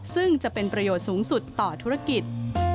ซึ่งจะเป็นประโยชน์สูงสุดต่อธุรกิจ